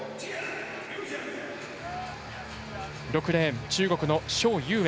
６レーン、中国の蒋裕燕。